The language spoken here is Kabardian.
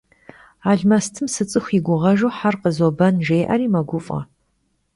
Almestım «sıts'ıxu yi guğeu her khızoben» jjê'eri meguf'e.